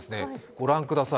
ご覧ください。